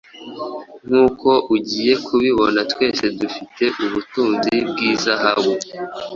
Nkuko ugiye kubibona twese dufite ubutunzi bw’izahabu